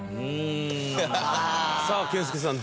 さあ健介さん